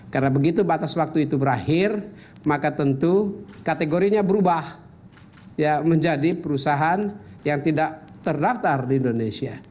karena begitu batas waktu itu berakhir maka tentu kategorinya berubah menjadi perusahaan yang tidak terdaftar di indonesia